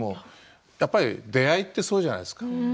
やっぱり出会いってそうじゃないですか？